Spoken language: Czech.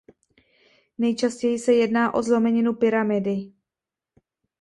Nejčastěji se jedná o zlomeninu pyramidy.